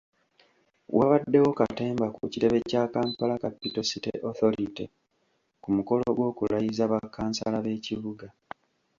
Wabaddewo katemba ku kitebe kya Kampala Capital City Authority ku mukolo gw’okulayiza bakkansala b’ekibuga.